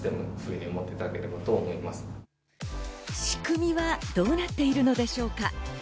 仕組みはどうなっているのでしょうか？